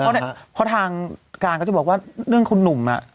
เออใช่เพราะเนี้ยเพราะทางการก็จะบอกว่าเรื่องคุณหนุ่มอ่ะ